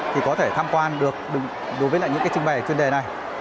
thì có thể tham quan được đối với lại những cái trưng bày chuyên đề này